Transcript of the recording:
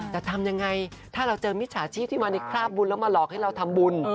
จะทำยังไงถ้าเราเจอมิจฉาชีพที่มาในคราบบุญแล้วมาหลอกให้เราทำบุญ